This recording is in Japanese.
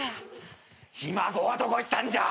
ひ孫はどこ行ったんじゃ！